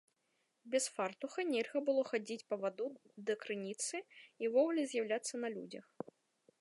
Без фартуха нельга было хадзіць па ваду да крыніцы і ўвогуле з'яўляцца на людзях.